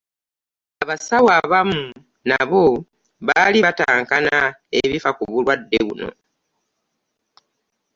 abasawo abamu nabo baali batankana ebifa ku bulwadde buno